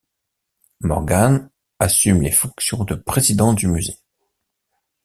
Morgan, assume les fonctions de président du musée.